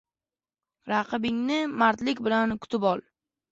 • Raqibingni mardlik bilan kutib ol.